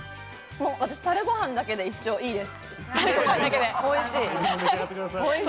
タレご飯だけで一生いいです。